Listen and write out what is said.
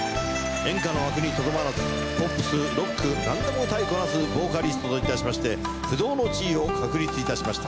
演歌の枠にとどまらずポップスロックなんでも歌いこなすボーカリストといたしまして不動の地位を確立いたしました。